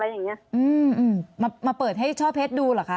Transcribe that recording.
อืมมาเปิดให้ช่อเพชรดูเหรอคะ